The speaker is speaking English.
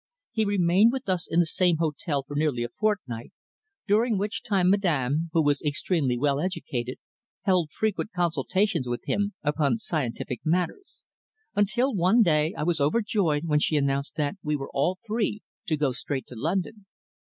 He remained with us in the same hotel for nearly a fortnight, during which time Madame, who was extremely well educated, held frequent consultations with him upon scientific matters, until one day I was overjoyed when she announced that we were all three to go straight to London."